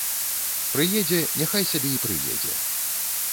Прыедзе, няхай сабе і прыедзе.